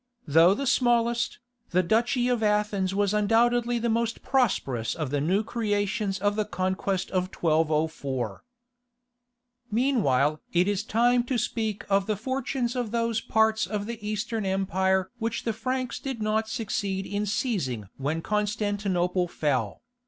Though the smallest, the duchy of Athens was undoubtedly the most prosperous of the new creations of the conquest of 1204. Meanwhile it is time to speak of the fortunes of those parts of the Eastern Empire which the Franks did not succeed in seizing when Constantinople fell.